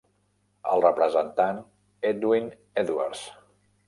El representant Edwin Edwards.